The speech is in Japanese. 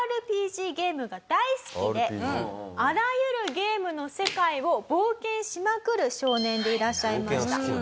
ＲＰＧゲームが大好きであらゆるゲームの世界を冒険しまくる少年でいらっしゃいました。